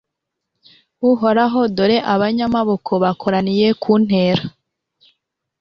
Uhoraho dore abanyamaboko bakoraniye kuntera